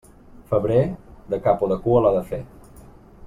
Febrer, de cap o de cua l'ha de fer.